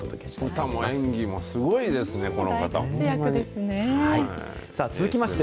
歌も演技もすごいですね、この方、ほんまに。